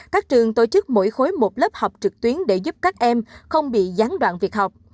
các trường tổ chức mỗi khối một lớp học trực tuyến để giúp các em không bị gián đoạn việc học